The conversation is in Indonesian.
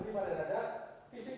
di jalan jalan